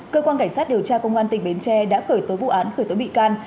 cơ quan cảnh sát điều tra công an tỉnh bến tre đã khởi tố vụ án khởi tố bị can